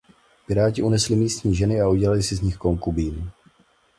Piráti unesli místní ženy a udělali si z nich konkubíny.